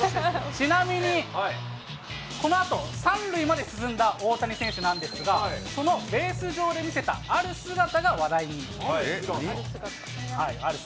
ちなみに、このあと、３塁まで進んだ大谷選手なんですが、そのベース上で見せた、ある姿がある姿？